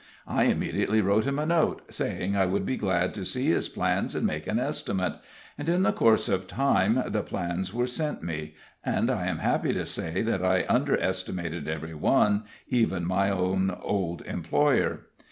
I immediately wrote him a note, saying I would be glad to see his plans and make an estimate; and in the course of time the plans were sent me, and I am happy to say that I under estimated every one, even my own old employer.